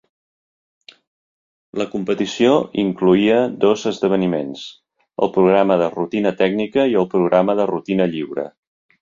La competició incloïa dos esdeveniments, el programa de rutina tècnica i el programa de rutina lliure.